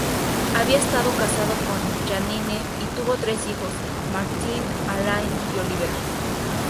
Había estado casado con Janine, y tuvo tres hijos: Martine, Alain y Olivier.